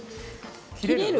切れる？